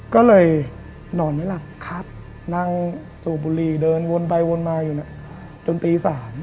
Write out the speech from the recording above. ก็เลยนอนไม่หลับนั่งสูบบุหรี่เดินวนไปวนมาอยู่จนตี๓